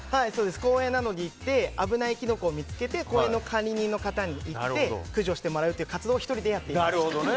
公園などに行って危ないキノコを見つけて公園の管理人の方に言って駆除してもらうという活動を１人でやっています。